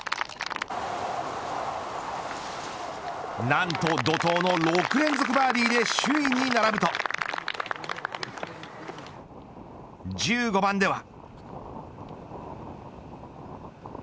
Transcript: なんと、怒とうの６連続バーディーで首位に並ぶと１５番では。